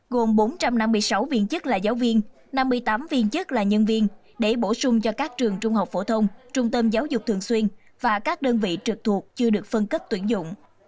gồm bốn trăm năm mươi sáu viên chức là giáo viên năm mươi tám viên chức là nhân viên để bổ sung cho các trường trung học phổ thông trung tâm giáo dục thường xuyên và các đơn vị trực thuộc chưa được phân cấp tuyển dụng